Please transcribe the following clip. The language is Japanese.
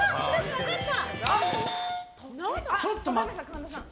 分かった！